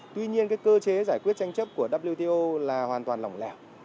tuy nhiên cơ chế giải quyết tranh chấp của wto là hoàn toàn lỏng lẻo